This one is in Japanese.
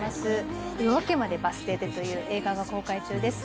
「夜明けまでバス停で」という映画が公開中です。